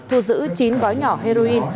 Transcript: thu giữ chín gói nhỏ heroin